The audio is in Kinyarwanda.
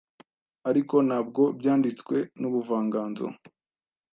ariko ntabwo byanditswe nubuvanganzo,